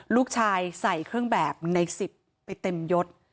ลูกชายใส่เครื่องแบบใน๑๐ไปเต็มยด